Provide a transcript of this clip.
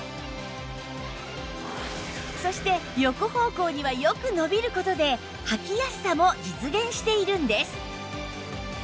そして横方向にはよく伸びる事ではきやすさも実現しているんです